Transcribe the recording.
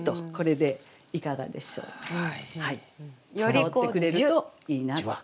伝わってくれるといいなと。